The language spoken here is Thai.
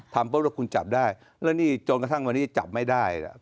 ปุ๊บว่าคุณจับได้แล้วนี่จนกระทั่งวันนี้จับไม่ได้